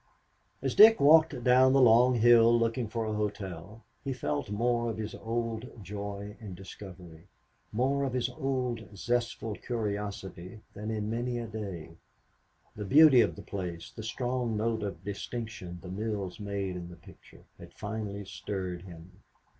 As Dick walked down the long hill looking for a hotel, he felt more of his old joy in discovery, more of his old zestful curiosity than in many a day. The beauty of the place, the strong note of distinction the mills made in the picture, had finally stirred him.